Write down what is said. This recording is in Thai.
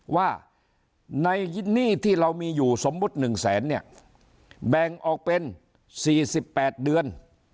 ว่าในหนี้ที่เรามีอยู่สมมุติ๑แสนเนี่ยแบ่งออกเป็น๔๘เดือน